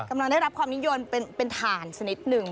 กำลังได้รับความนิยมเป็นถ่านสักนิดหนึ่ง